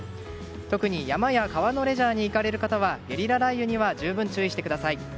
特に山や川のレジャーに行かれる方はゲリラ雷雨には十分注意してください。